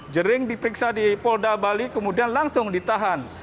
jering diperiksa di polda bali kemudian langsung ditahan